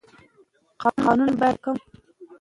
قانون باید حاکم وي.